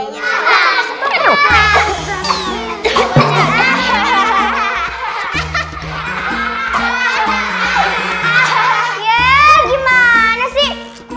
yeah gimana sih